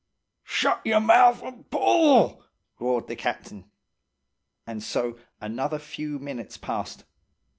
"'Shut y'r mouth an' pull!' roared the captain. And so another few minutes passed.